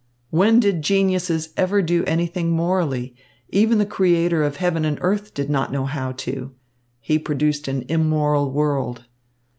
"When did geniuses ever do anything morally? Even the creator of heaven and earth did not know how to. He produced an immoral world.